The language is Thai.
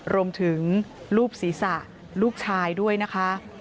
รวมถึงรูปศีรษะลูกชายด้วยนะคะ